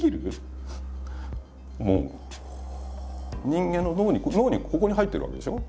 人間の脳にここに入ってるわけでしょう？